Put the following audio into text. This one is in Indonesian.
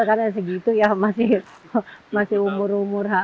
karena segitu ya masih umur umur